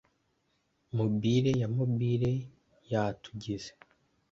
Mobile ya mobile yatugize